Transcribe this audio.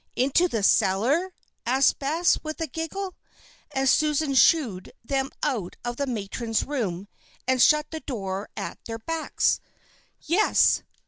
"Into the cellar?" asked Bess, with a giggle, as Susan "shooed" them out of the matron's room and shut the door at their backs. "Yes.